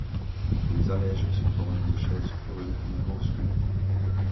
Les allèges sont ornées de chaises curules finement sculptées.